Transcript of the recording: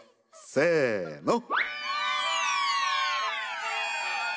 せの！